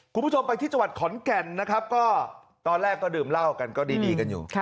คุณผู้ชมไปที่จังหวัดขอนแก่นนะครับก็ตอนแรกก็ดื่มเหล้ากันก็ดีกันอยู่